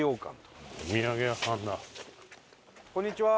こんにちは。